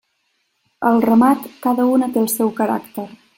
Al remat, cada una té el seu caràcter.